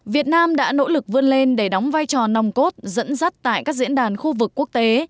việt nam đã nỗ lực vươn lên để đóng vai trò nòng cốt dẫn dắt tại các diễn đàn khu vực quốc tế